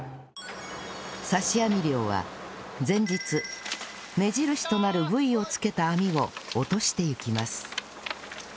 刺し網漁は前日目印となるブイを付けた網を落としていきます